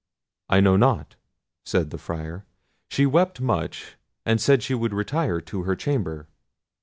"I know not," said the Friar; "she wept much, and said she would retire to her chamber."